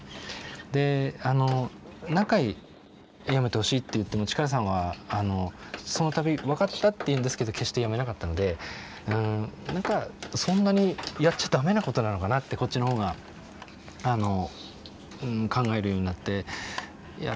であの何回やめてほしいって言っても力さんはあのその度分かったって言うんですけど決してやめなかったのでうん何かそんなにやっちゃ駄目なことなのかなってこっちの方があの考えるようになっていや